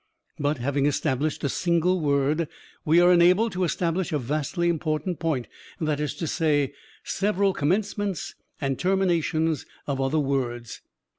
"But, having established a single word, we are enabled to establish a vastly important point; that is to say, several commencements and terminations of other words.